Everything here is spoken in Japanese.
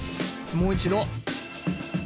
もう一度！